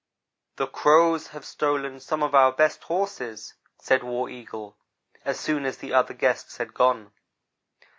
"The Crows have stolen some of our best horses," said War Eagle, as soon as the other guests had gone.